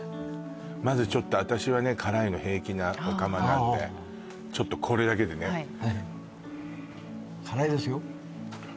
まずちょっと私はね辛いの平気なオカマなんでちょっとこれだけでね辛いですよ？